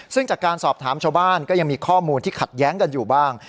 ซึ่งจากการสอบถามชาวบ้านก็ยังมีข้อมูลที่ขัดแย้งกันอยู่บ้าง